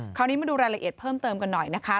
คราวนี้มาดูรายละเอียดเพิ่มเติมกันหน่อยนะคะ